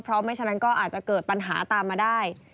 เพราะไม่ฉะนั้นก็อาจจะเกิดปัญหาตามมาได้